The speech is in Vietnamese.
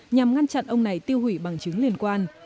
nhằm ngăn chặn ông này tiêu hủy bằng chứng liên quan